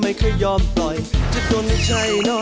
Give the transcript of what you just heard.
แบบนี้ก็ได้